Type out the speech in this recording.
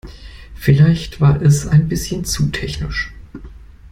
Vielleicht war es ein bisschen zu technisch.